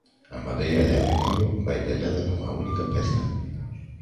A madeira de ameneiro vai tallada nunha única peza.